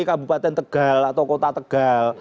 kabupaten tegal atau kota tegal